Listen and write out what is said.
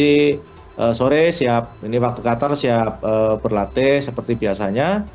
pagi sore siap ini waktu qatar siap berlatih seperti biasanya